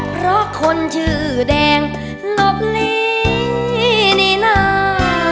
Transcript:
เพราะคนชื่อแดงหลบหลีนี่นา